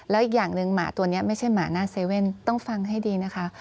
แล้วอีกอย่างหนึ่งหมาตัวนี้ไม่ใช่หมาหน้าเซเว่นต้องฟังให้ดีนะคะ